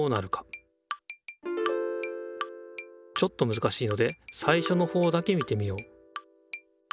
ちょっとむずかしいので最初のほうだけ見てみよう